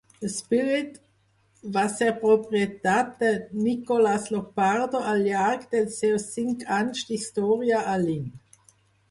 The Spirit va ser propietat de Nicholas Lopardo al llarg dels seus cinc anys d'història a Lynn.